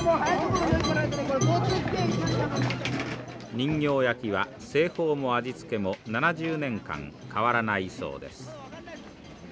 人形焼は製法も味付けも７０年間変わらないそうです。